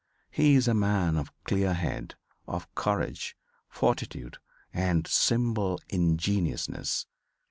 He is a man of clear head, of courage, fortitude and simple ingenuousness.